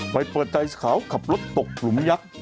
ไปเปิดใจเขาขับรถตกหลุมยักษ์